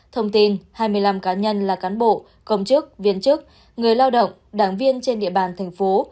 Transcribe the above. thông tin hai mươi năm cá nhân là cán bộ công chức viên chức người lao động đảng viên trên địa bàn thành phố